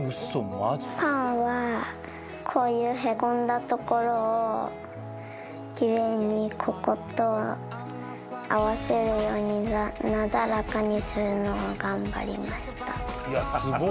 パンはこういうへこんだところを奇麗にここと合わせるようになだらかにするのを頑張りました。